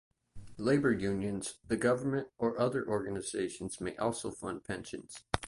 Labor unions, the government, or other organizations may also fund pensions.